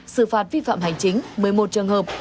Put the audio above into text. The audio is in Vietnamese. xử phạt vi phạm hành chính một mươi một trường hợp